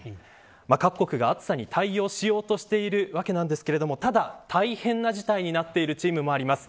各国が暑さに対応しようとしているわけなんですがただ、大変な事態になっているチームもあります。